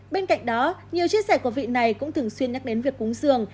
bên cạnh đó nhiều chia sẻ của vị này cũng thường xuyên nhắc đến việc cúng dường